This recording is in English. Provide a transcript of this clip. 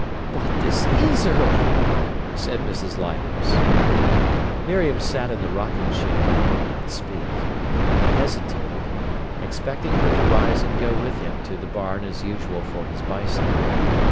"But this is early," said Mrs. Leivers. Miriam sat in the rocking chair, and did not speak. He hesitated, expecting her to rise and go with him to the barn as usual for his bicycle.